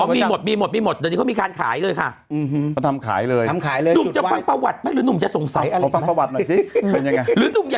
มีหมดทุ่มจะฟังประวัติหรือนุ่มจะสงสัย